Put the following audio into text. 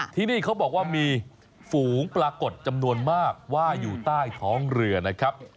ที่นี่เขาบอกว่ามีฝูงปรากฏจำนวนมากว่าอยู่ใต้ท้องเรือนะครับ